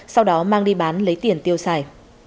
sau đó mang đi bán lấy tiền tiêu xài